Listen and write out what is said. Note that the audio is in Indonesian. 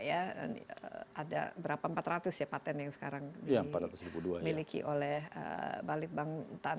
ada berapa empat ratus ya patent yang sekarang dimiliki oleh balitbang